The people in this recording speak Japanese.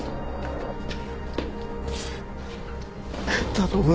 頼む。